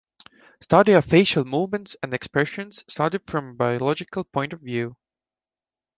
Study of facial movements and expressions started from a biological point of view.